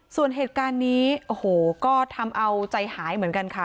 ส่วนเหตุการณ์นี้โอ้โหก็ทำเอาใจหายเหมือนกันค่ะ